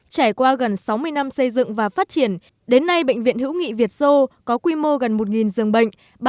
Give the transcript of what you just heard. trải qua gần sáu mươi năm xây dựng và phát triển đến nay bệnh viện hữu nghị việt sô có quy mô gần một giường bệnh